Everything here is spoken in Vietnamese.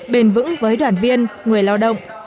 bền vững với đoàn viên người lao động